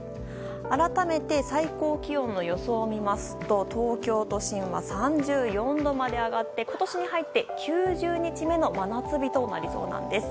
改めて最高気温の予想を見ますと東京都心は３４度まで上がって今年に入って９０日目の真夏日となりそうなんです。